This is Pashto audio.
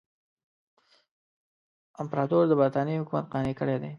امپراطور د برټانیې حکومت قانع کړی دی.